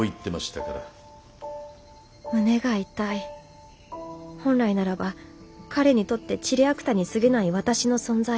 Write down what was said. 胸が痛い本来ならば彼にとってちりあくたにすぎない私の存在。